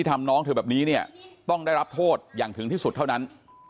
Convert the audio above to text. ต้องได้รับโทษอย่างถึงที่สุดเท่านั้น